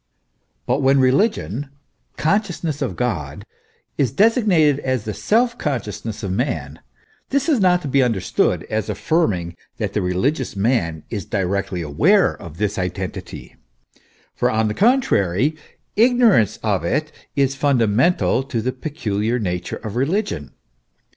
13 But when religion consciousness of God is designated as the self consciousness of man, this is not to be understood as affirming that the religious man is directly aware of this identity ; for, on the contrary, ignorance of it is fundamental to the peculiar nature of religion.